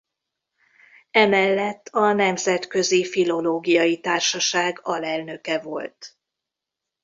Emellett a Nemzetközi Filológiai Társaság alelnöke volt.